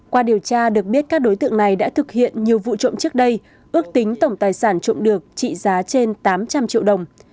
qua điều tra được biết các đối tượng này đã thực hiện nhiều vụ trộm trước đây ước tính tổng tài sản trộm được trị giá trên tám trăm linh triệu đồng